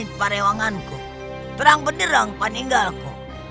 tidak ada yang bisa menangkapku